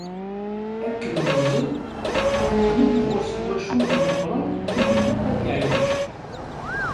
Akken meẓẓi, teqqen-d ɣur-s twacult meqqren i ilaq ad iεeyyec.